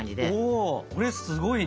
おそれすごいね！